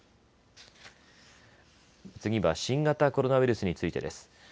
次は新型コロナウイルスについてです。